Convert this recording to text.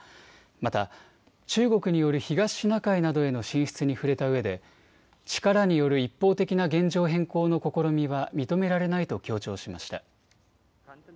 また中国による東シナ海などへの進出に触れたうえで力による一方的な現状変更の試みは認められないと強調しました。